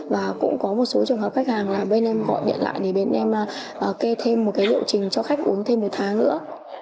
và cũng có một số trường hợp khách hàng là bên em gọi điện lại thì bên em kê thêm một cái liệu trình cho khách uống thêm một tháng nữa